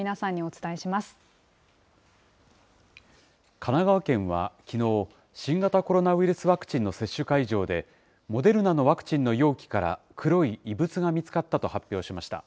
神奈川県はきのう、新型コロナウイルスワクチンの接種会場で、モデルナのワクチンの容器から黒い異物が見つかったと発表しました。